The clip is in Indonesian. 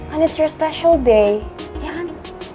and it's your special day ya kan